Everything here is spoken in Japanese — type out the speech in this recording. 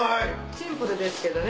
シンプルですけどね。